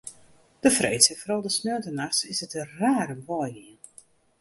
De freeds en foaral de sneontenachts is it der raar om wei gien.